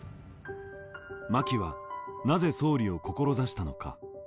真木はなぜ総理を志したのか。